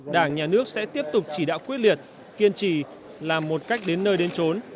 đảng nhà nước sẽ tiếp tục chỉ đạo quyết liệt kiên trì làm một cách đến nơi đến trốn